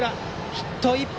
ヒット１本。